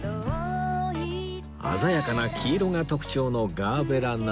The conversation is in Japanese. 鮮やかな黄色が特徴のガーベラなど